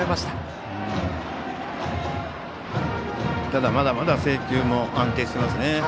ただ、まだまだ制球も安定していますね。